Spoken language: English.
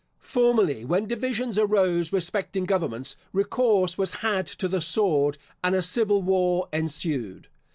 Formerly, when divisions arose respecting governments, recourse was had to the sword, and a civil war ensued.